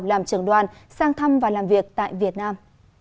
làm trưởng đoàn sang thăm và làm việc tại việt nam